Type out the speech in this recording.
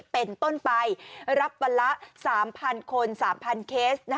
เป็นต้นไปรับวันละ๓๐๐คน๓๐๐เคส